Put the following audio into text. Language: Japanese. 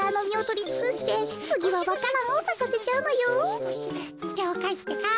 りょうかいってか。